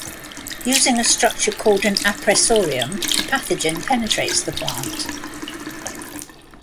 Using a structure called an appressorium, the pathogen penetrates the plant.